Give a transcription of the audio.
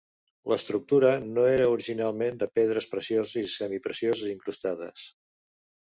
L'estructura era originalment de pedres precioses i semi-precioses incrustades.